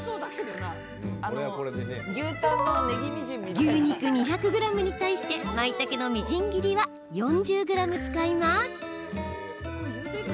牛肉２００ｇに対してまいたけのみじん切りは４０ｇ使います。